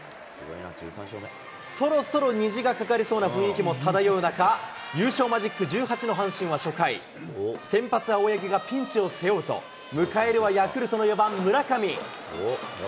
そろそろ虹が架かりそうな雰囲気も漂う中、優勝マジック１８の阪神は、初回、先発、青柳がピンチを背負うと、迎えるはヤクルトの４番村上。